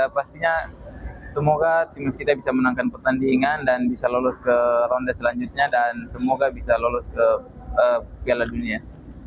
pastinya semoga tim kita bisa menangkan pertandingan dan bisa lolos ke ronde selanjutnya dan semoga bisa lolos ke piala dunia